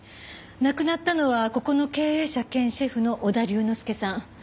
亡くなったのはここの経営者兼シェフの織田龍之介さん。